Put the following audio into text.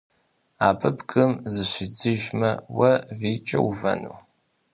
Абы бгым зыщидзыжмэ, уэ вийкӀэ увэну?